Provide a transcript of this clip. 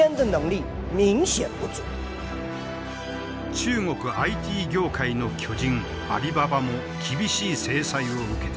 中国ＩＴ業界の巨人アリババも厳しい制裁を受けた。